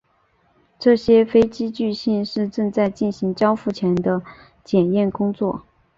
这些飞机据信是正在进行交付前的检验工作。